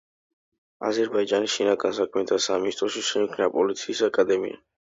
აზერბაიჯანის შინაგან საქმეთა სამინისტროში შეიქმნა პოლიციის აკადემია.